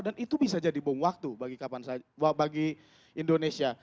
dan itu bisa jadi bom waktu bagi indonesia